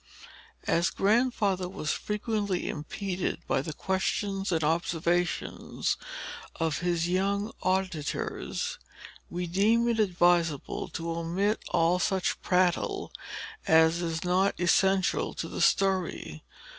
As Grandfather was frequently impeded by the questions and observations of his young auditors, we deem it advisable to omit all such prattle as is not essential to the story.